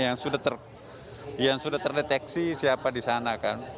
yang sudah terdeteksi siapa di sana kan